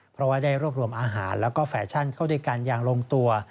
เพราะว่าได้รวบรวมอาหารแล้วก็แฟชั่นเข้าด้วยกันอย่างลงตัว